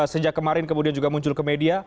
sejak kemarin kemudian juga muncul ke media